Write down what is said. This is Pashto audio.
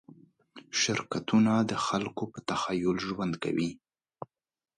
شرکتونه د خلکو په تخیل ژوند کوي.